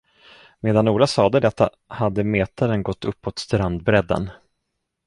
Medan Ola sade detta, hade metaren gått uppåt strandbrädden.